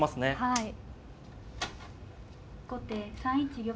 はい。